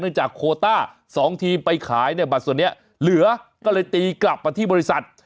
จากโคต้า๒ทีมไปขายเนี่ยบัตรส่วนนี้เหลือก็เลยตีกลับมาที่บริษัท